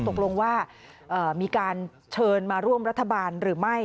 ตกลงว่ามีการเชิญมาร่วมรัฐบาลหรือไม่